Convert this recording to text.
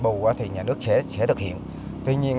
trong quá trình triển khai dự án có chín điểm phải nắn tuyến